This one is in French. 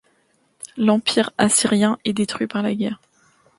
L'empire assyrien est détruit par la guerre.